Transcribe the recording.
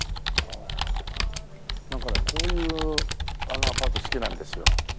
なんかねこういうアパート好きなんですよ。